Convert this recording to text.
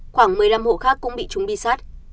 khoảng một mươi năm hộ khác cũng bị trúng bi sắt